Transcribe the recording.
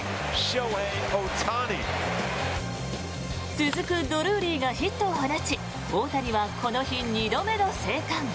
続くドルーリーがヒットを放ち大谷はこの日２度目の生還。